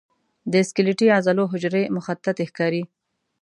د سکلیټي عضلو حجرې مخططې ښکاري.